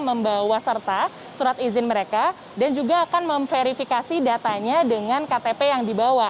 membawa serta surat izin mereka dan juga akan memverifikasi datanya dengan ktp yang dibawa